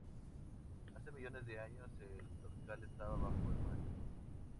Hace millones de años El Torcal estaba bajo el mar.